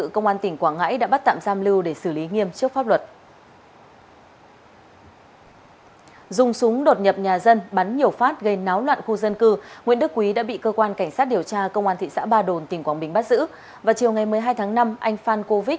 cảm ơn các bạn đã theo dõi